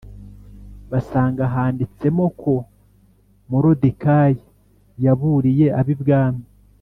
Basanga handitsemo ko morodikayi yaburiye abibwami